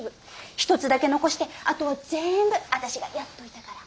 一つだけ残してあとは全部私がやっといたから。